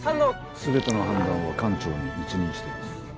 全ての判断は艦長に一任しています。